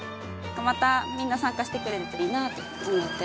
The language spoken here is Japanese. またみんな参加してくれるといいなって思ってます。